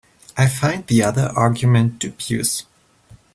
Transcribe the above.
I find the other argument dubious.